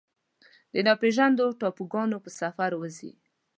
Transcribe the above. د ناپیژاندو ټاپوګانو په سفر وځي